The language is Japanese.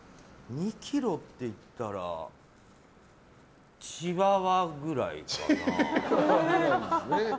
２ｋｇっていったらチワワぐらいかな？